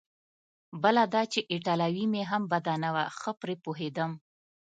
بله دا چې ایټالوي مې هم بده نه وه، ښه پرې پوهېدم.